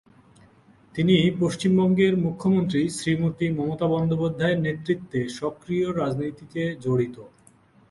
তিনি পশ্চিমবঙ্গের মুখ্যমন্ত্রী, শ্রীমতি মমতা বন্দ্যোপাধ্যায়ের নেতৃত্বে সক্রিয় রাজনীতিতে জড়িত।